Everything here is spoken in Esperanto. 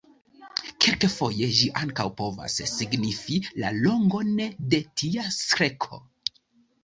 Kelkfoje ĝi ankaŭ povas signifi la longon de tia streko.